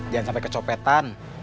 jangan sampai kecopetan